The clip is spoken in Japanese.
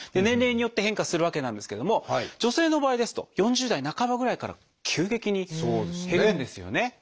年齢によって変化するわけなんですけれども女性の場合ですと４０代半ばぐらいから急激に減るんですよね。